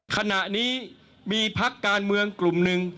ขณะนี้มีพักการเมืองกลุ่มหนึ่ง